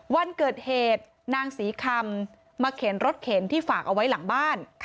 วันเกิดเหตุนางศรีคำมาเข็นรถเข็นที่ฝากเอาไว้หลังบ้าน